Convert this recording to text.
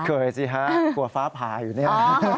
สิฮะกลัวฟ้าผ่าอยู่เนี่ย